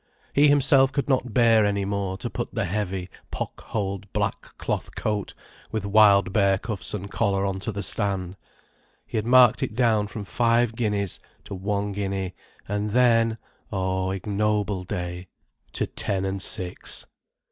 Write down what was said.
He himself could not bear any more to put the heavy, pock holed black cloth coat, with wild bear cuffs and collar, on to the stand. He had marked it down from five guineas to one guinea, and then, oh ignoble day, to ten and six.